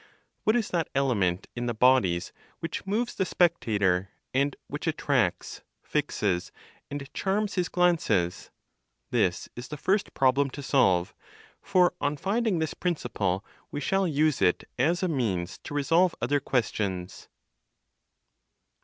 What is that element in the bodies which moves the spectator, and which attracts, fixes and charms his glances? This is the first problem to solve; for, on finding this principle, we shall use it as a means to resolve other questions.